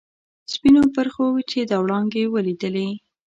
سپینو پرخو چې دا وړانګې ولیدلي.